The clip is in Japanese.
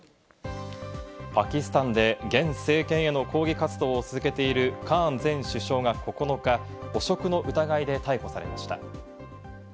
パキスタンで現政権への抗議活動を続けている、カーン前首相９日、汚職の疑いで逮捕されました。